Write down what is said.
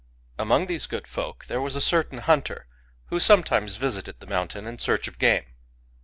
Among these good folk there was a certain hunter, who sometimes visited the mountain in search of game.